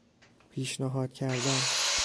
پیشنهاد کردن